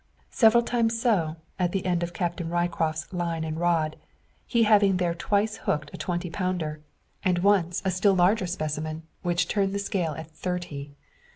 Several times so, at the end of Captain Ryecroft's line and rod; he having there twice hooked a twenty pounder, and once a still larger specimen, which turned the scale at thirty.